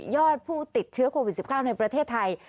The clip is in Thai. ผู้ติดเชื้อโควิด๑๙ในประเทศไทย